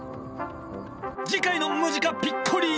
次回の「ムジカ・ピッコリーノ」は！